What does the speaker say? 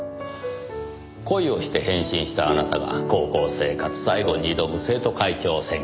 恋をして変身したあなたが高校生活最後に挑む生徒会長選挙。